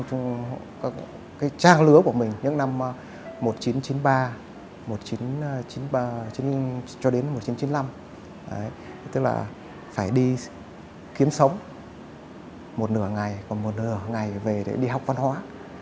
trường nguyễn văn tố của mình những năm một nghìn chín trăm chín mươi ba cho đến một nghìn chín trăm chín mươi năm tức là phải đi kiếm sống một nửa ngày còn một nửa ngày về để đi học văn hóa